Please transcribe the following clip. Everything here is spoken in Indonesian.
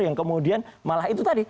yang kemudian malah itu tadi